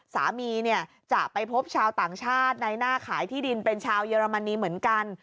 สามีเนี่ยจะไปพบชาวต่างชาติในหน้าขายที่ดินเป็นชาวเยอรมนีเหมือนกัน